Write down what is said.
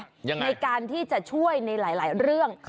ยังไงอย่างไรในการที่จะช่วยในหลายเรื่อง